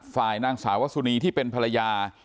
ฝ่ายนางสาวสุนีที่เป็นภรรยา